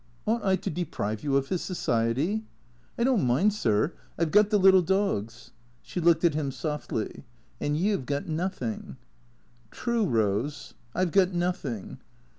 "Ought I to deprive you of his society?" " I don't mind, sir. I 've got the little dogs." She looked at him softly. " And you 've got nothing." " True, Rose. I 've got nothing."